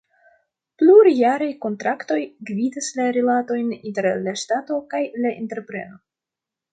Plurjaraj kontraktoj gvidas la rilatojn inter la Ŝtato kaj la entrepreno.